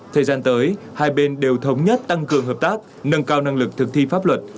thời gian tới hai bên đều thống nhất tăng cường hợp tác nâng cao năng lực thực thi pháp luật